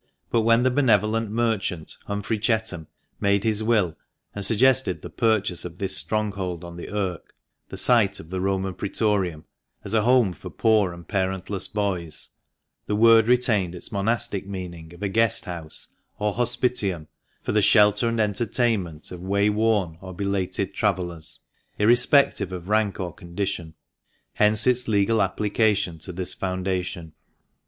But when the benevolent merchant, Humphrey Chetham, made his will, and suggested the purchase of this stronghold on the Irk — the site of the Roman Proetorium — as a home for poor and parentless boys, the word retained its monastic meaning of a guest house, or hospitium, for the shelter and entertainment of way worn or belated travellers, irrespective of rank or condition, hence its legal application to this foundation.